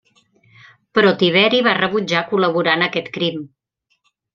Però Tiberi va rebutjar col·laborar en aquest crim.